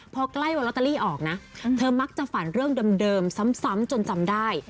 พอใกล้วันลอตเตอรี่ออกนะเธอมักจะฝันเรื่องเดิมซ้ำจนจำได้